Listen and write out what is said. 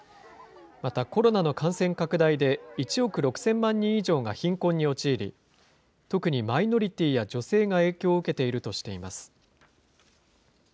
また、コロナの感染拡大で、１億６０００万人以上が貧困に陥り、特にマイノリティーや女性が影響を受けているとしています。